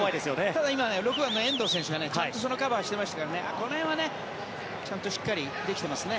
ただ今、６番の遠藤選手がちゃんとそのカバーしてましたからこの辺は、ちゃんとしっかりできていますね。